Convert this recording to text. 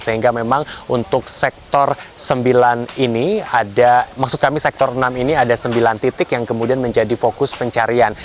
sehingga memang untuk sektor sembilan ini ada maksud kami sektor enam ini ada sembilan titik yang kemudian menjadi fokus pencarian